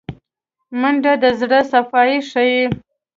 منډه د زړه صفايي ښيي